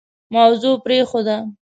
موضوع پرېښوده.